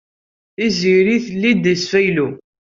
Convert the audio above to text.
Tiziri telli-d asfaylu.